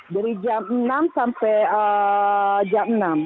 dari jam enam sampai jam enam